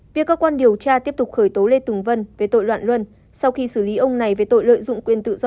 việc cơ quan điều tra tiếp tục khởi tố lê tùng vân về tội loạn luân sau khi xử lý ông này về tội lợi dụng quyền tự do